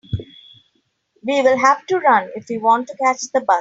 We will have to run if we want to catch that bus.